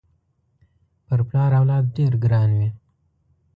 پر پلار اولاد ډېر ګران وي